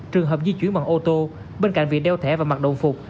trường hợp di chuyển bằng ô tô bên cạnh việc đeo thẻ và mặt đồng phục